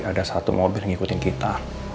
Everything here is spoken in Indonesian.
ada satu mobil ngikutin kita